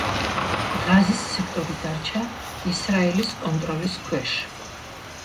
ღაზის სექტორი დარჩა ისრაელის კონტროლის ქვეშ.